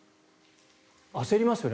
焦りますよね。